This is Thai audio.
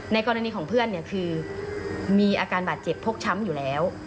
กรณีของเพื่อนคือมีอาการบาดเจ็บพกช้ำอยู่แล้ว